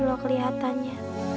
jadi lu kelihatannya